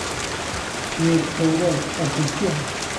Señor Ourol, á cuestión.